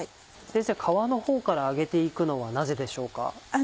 先生皮のほうから揚げて行くのはなぜでしょうか？